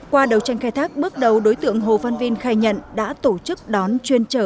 qua đầu tranh khai thác bước đầu đối tượng hồ văn vinh khai nhận đã tổ chức đón chuyên trở